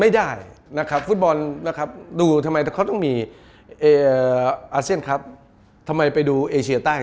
ไม่ได้นะครับฟุตบอลนะครับดูทำไมเขาต้องมีเอ่ออาเซียนครับทำไมไปดูเอเชียใต้